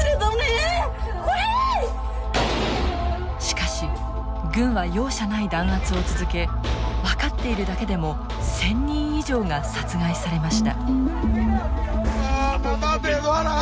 しかし軍は容赦ない弾圧を続け分かっているだけでも１，０００人以上が殺害されました。